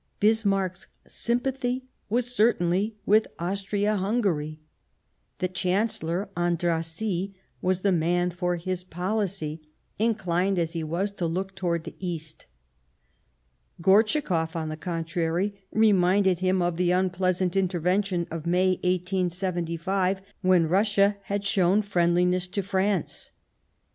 Bismarck's sympathy was certainly with Austria Hungary ; the Chancellor Andrassy was the man for his policy, inclined as he was to look towards the East ; Gortschakoif, on the contrary, reminded him of the unpleasant intervention of May 1875, when Russia had shown friendliness to France.